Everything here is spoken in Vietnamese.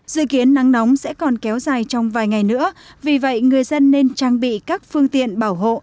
dự kiến nắng nóng sẽ còn kéo dài trong vài ngày nữa vì vậy người dân nên trang bị các phương tiện bảo hộ